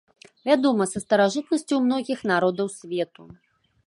Вядома са старажытнасці ў многіх народаў свету.